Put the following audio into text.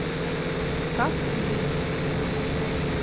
Katru dienu.